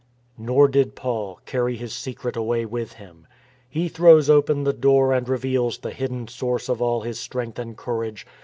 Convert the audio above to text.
Nor did Paul carry his secret away with him. He throws open the door and reveals the hidden source of all his strength and courage.